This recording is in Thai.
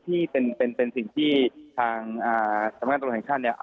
ที่เป็นเป็นสิ่งที่ทางอ่าดสำคัญชันเนี่ย